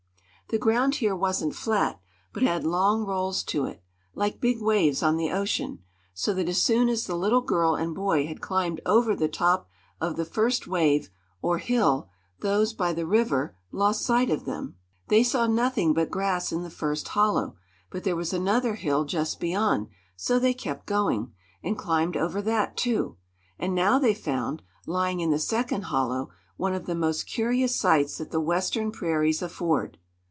The ground here wasn't flat, but had long rolls to it, like big waves on the ocean, so that as soon as the little girl and boy had climbed over the top of the first wave, or hill, those by the river lost sight of them. They saw nothing but grass in the first hollow, but there was another hill just beyond, so they kept going, and climbed over that too. And now they found, lying in the second hollow, one of the most curious sights that the western prairies afford.